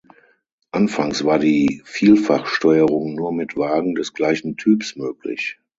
Anfangs war die Vielfachsteuerung nur mit Wagen des gleichen Typs möglich.